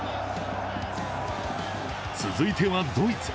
続いては、ドイツ。